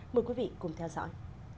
mời quý vị cùng theo dõi